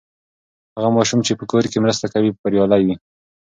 هغه ماشوم چې په کور کې مرسته کوي، بریالی وي.